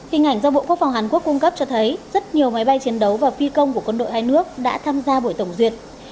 hình ảnh do bộ quốc phòng hàn quốc cung cấp cho thấy rất nhiều máy bay chiến đấu và phi công của quân đội hai nước đã tham gia buổi tổng duyệt